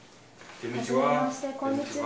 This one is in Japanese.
こんにちは。